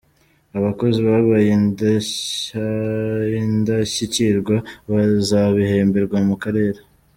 Abakozi babaye indashyikirwa bazabihemberwa Mukarere